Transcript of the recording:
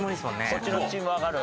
そっちのチームわかる？